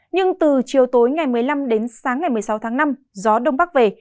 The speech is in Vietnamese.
nhưng từ chiều tối ngày một mươi năm đến sáng ngày một mươi sáu tháng năm gió đông bắc về